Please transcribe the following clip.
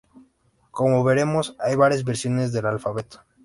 Como veremos, hay varias versiones del alfabeto.